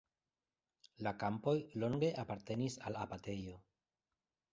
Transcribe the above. La kampoj longe apartenis al abatejo.